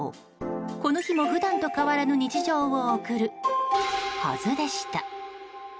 この日も普段と変わらぬ日常を送るはずでした。